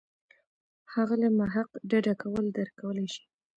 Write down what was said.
ښاغلی محق ډډه کول درک کولای شي.